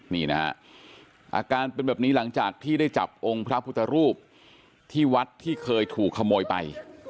นี่นะฮะอาการเป็นแบบนี้หลังจากที่ได้จับองค์พระพุทธรูปที่วัดที่เคยถูกขโมยไป